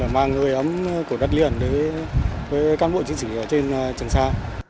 mang hơi ấm của đất liền với các cán bộ chiến sĩ trên trường sa